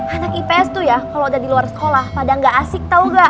anak ips tuh ya kalau udah di luar sekolah padahal gak asik tau gak